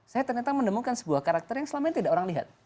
saya ternyata menemukan sebuah karakter yang selama ini tidak orang lihat